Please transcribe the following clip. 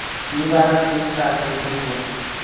Mi barak beitab tuguk nguno